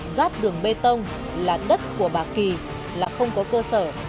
giáp đường bê tông là đất của bà kỳ là không có cơ sở